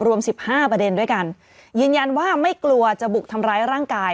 สิบห้าประเด็นด้วยกันยืนยันว่าไม่กลัวจะบุกทำร้ายร่างกาย